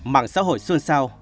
mạng xã hội xuân sao